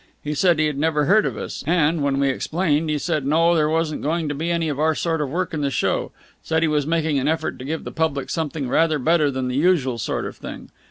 He said he had never heard of us. And, when we explained, he said no, there wasn't going to be any of our sort of work in the show. Said he was making an effort to give the public something rather better than the usual sort of thing.